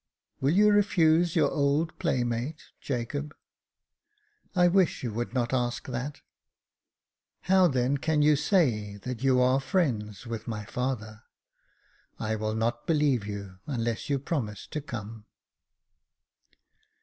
Will you refuse your old play mate, Jacob ?"*' I wish you would not ask that." •*How then can you say that you are friends with my father ? I will not believe you unless you promise to come."